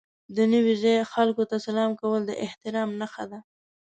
د نوي ځای خلکو ته سلام کول د احترام نښه ده.